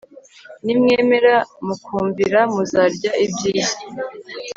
nimwemera mukumvira muzarya ibyiza